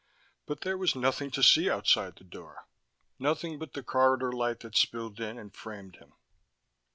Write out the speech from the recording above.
But there was nothing to see outside the door, nothing but the corridor light that spilled in and framed him.